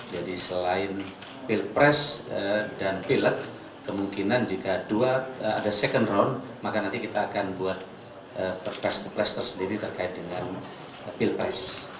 jadi selain pilpres dan pilek kemungkinan jika ada second round maka nanti kita akan buat perpres perpres tersendiri terkait dengan pilpres